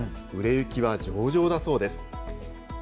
売れ行きは上々だそうです。